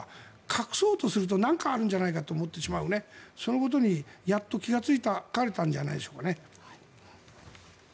隠そうとすると何かあるんじゃないかと思われるそのことにやっと気がつかれたんじゃないでしょうか。